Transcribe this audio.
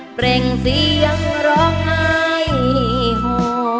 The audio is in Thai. เพลงเสียงร้องไห้โฮ